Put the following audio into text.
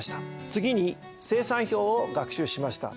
次に精算表を学習しました。